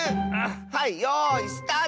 はいよいスタート！